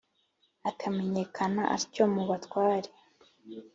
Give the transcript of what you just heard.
akamenyekana atyo mu batware.